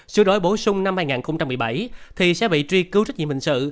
sửa đổi bổ sung năm hai nghìn một mươi bảy thì sẽ bị truy cứu trách nhiệm hình sự